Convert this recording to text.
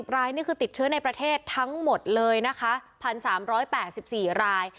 รายนี่คือติดเชื้อในประเทศทั้งหมดเลยนะคะ๑๓๘๔ราย